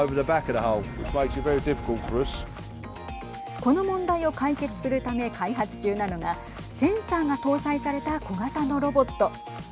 この問題を解決するため開発中なのがセンサーが搭載された小型のロボット。